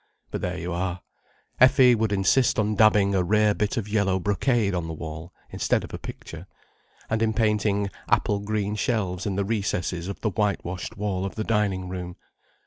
But there you are—Effie would insist on dabbing a rare bit of yellow brocade on the wall, instead of a picture, and in painting apple green shelves in the recesses of the whitewashed wall of the dining room.